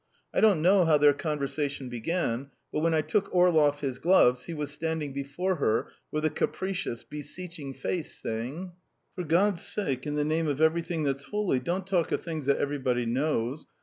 I don't know how their conversation began, but when I took Orlov his gloves, he was standing before her with a capricious, beseeching face, saying: "For God's sake, in the name of everything that's holy, don't talk of things that everybody knows!